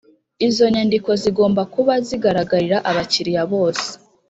Izo nyandiko zigomba kuba zigaragarira abakiliya bose